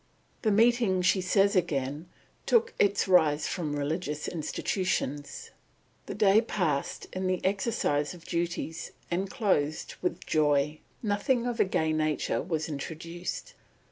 The meeting," she says again, "took its rise from religious institutions. The day passed in the exercise of duties, and closed with joy. Nothing of a gay nature was introduced...."